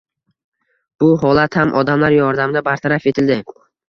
Bu holat ham odamlar yordamida bartaraf etildi.